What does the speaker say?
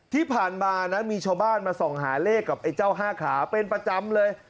ที่ผ่านมานะมีชาวบ้านมาส่องหาเลขกับไอ้เจ้าห้าขาเป็นประจำเลย